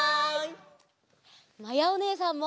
まやおねえさんも！